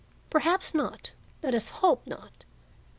"Perhaps not; let us hope not."